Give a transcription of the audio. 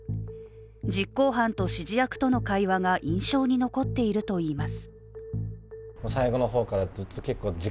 実行犯と指示役との会話が印象に残っているといいます。